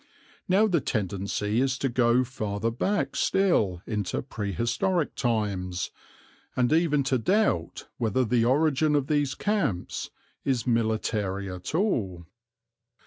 Now the tendency is to go farther back still into prehistoric times, and even to doubt whether the origin of these camps is military at all.